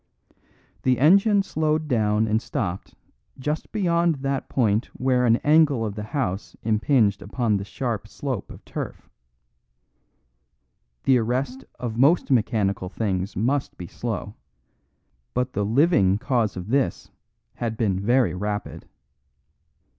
The engine slowed down and stopped just beyond that point where an angle of the house impinged upon the sharp slope of turf. The arrest of most mechanical things must be slow; but the living cause of this had been very rapid.